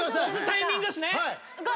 タイミングですね。